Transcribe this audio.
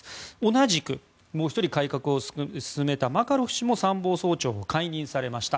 同じくもう１人改革を進めたマカロフ氏も参謀総長を解任されました。